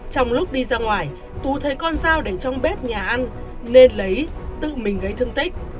trong lúc đi ra ngoài tú thấy con dao để trong bếp nhà ăn nên lấy tự mình gây thương tích